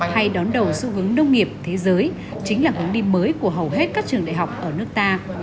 hay đón đầu xu hướng nông nghiệp thế giới chính là hướng đi mới của hầu hết các trường đại học ở nước ta